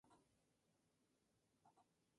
No leo ni escribo música, pero mis dedos se mueven.